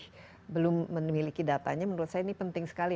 tapi kalau kita masih belum memiliki datanya menurut saya ini penting sekali